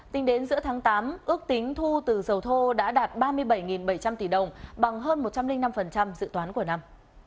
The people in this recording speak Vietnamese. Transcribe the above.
tính đến giữa tháng tám ước tính thu từ dầu thô đã đạt ba mươi bảy bảy trăm linh tỷ đồng bằng hơn một trăm linh năm dự toán của năm